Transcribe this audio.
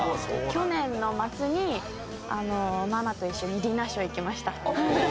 去年の末にママと一緒にディナーショー行きました。